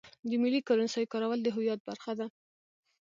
د ملي کرنسۍ کارول د هویت برخه ده.